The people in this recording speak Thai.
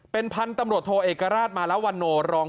เป็นพันธุ์ตำรวจโทเอกราชมาละวันโนรอง